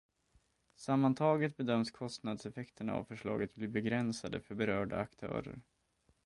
Sammantaget bedöms kostnadseffekterna av förslaget bli begränsade för berörda aktörer.